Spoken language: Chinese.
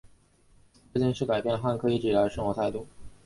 这件事改变了汉克一直以来的生活态度。